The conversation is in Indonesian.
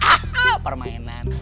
ah ah permainan